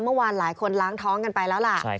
เมื่อวานหลายคนล้างท้องกันไปแล้วล่ะ